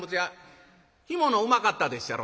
干物うまかったでっしゃろ？